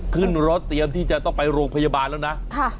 ขึ้นรถเตรียมที่จะต้องไปโรงพยาบาลแล้วนะ